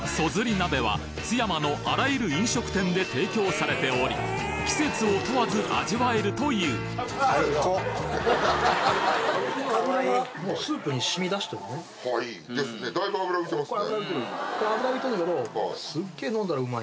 鍋は津山のあらゆる飲食店で提供されており季節を問わず味わえるというですねだいぶ脂浮いてますね。